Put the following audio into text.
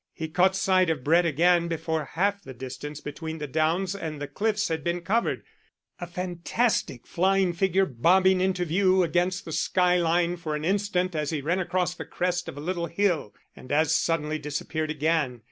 He caught sight of Brett again before half the distance between the downs and the cliffs had been covered a fantastic flying figure bobbing into view against the sky line for an instant as he ran across the crest of a little hill, and as suddenly disappeared again.